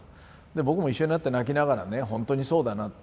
僕も一緒になって泣きながらね「ほんとにそうだな」って。